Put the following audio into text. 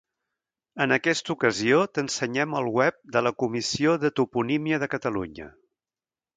En aquesta ocasió t'ensenyem el web de la Comissió de Toponímia de Catalunya.